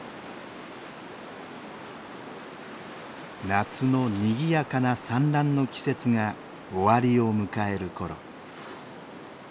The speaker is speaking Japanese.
夏のにぎやかな産卵の季節が終わりを迎えるころ。